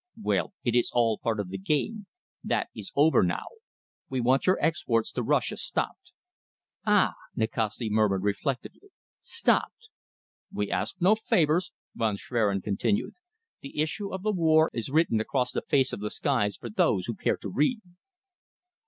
"Well, it is all part of the game. That is over now. We want your exports to Russia stopped." "Ah!" Nikasti murmured reflectively. "Stopped!" "We ask no favours," Von Schwerin continued. "The issue of the war is written across the face of the skies for those who care to read."